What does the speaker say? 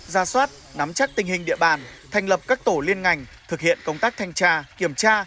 ra soát nắm chắc tình hình địa bàn thành lập các tổ liên ngành thực hiện công tác thanh tra kiểm tra